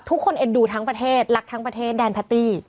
เอ็นดูทั้งประเทศรักทั้งประเทศแดนแพตตี้